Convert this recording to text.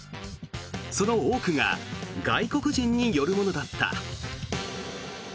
その多くが外国人によるものだった。